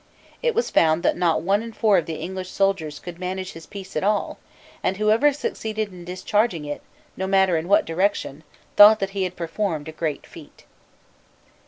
It was found that not one in four of the English soldiers could manage his piece at all; and whoever succeeded in discharging it, no matter in what direction, thought that he had performed a great feat.